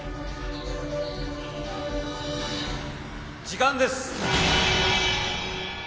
時間です！